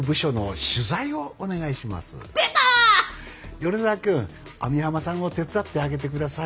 米沢くん網浜さんを手伝ってあげて下さい。